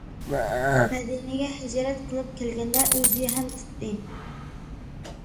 مەدىنىگە ھىجرەت قىلىپ كەلگەندە ئۇزى ھەم تۇتتى.